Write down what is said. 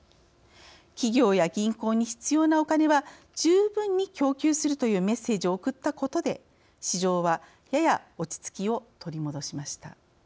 企業や銀行に必要なお金は十分に供給するというメッセージを送ったことで市場は、やや落ち着きを取り戻しました。